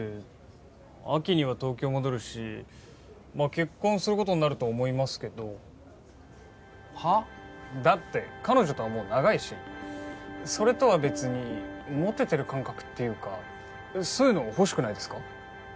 結婚することになると思いますけど。はあ？だって彼女とはもう長いしそれとは別にモテてる感覚っていうかそういうの欲しくないですか？